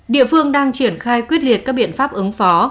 địa phương đang triển khai quyết liệt các biện pháp ứng phó